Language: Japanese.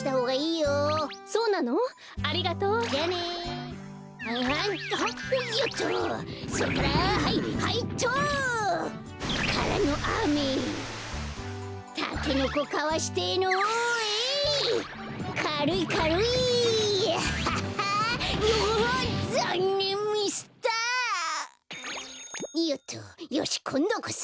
よしこんどこそ！